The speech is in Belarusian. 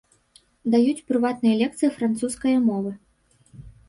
Даюць прыватныя лекцыі французскае мовы.